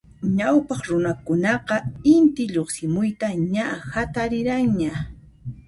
Ñawpaq runakunaqa Inti lluqsimuyta ña hatariranña.